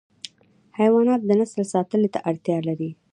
حیوانات د نسل ساتنه ته اړتیا لري.